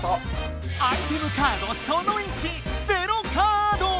アイテムカードその１ゼロカード！